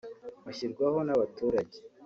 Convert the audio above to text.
bushyirwaho n’abaturage